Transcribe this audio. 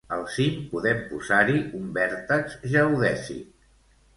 "Al cim podem posar-hi un vèrtex geodèsic."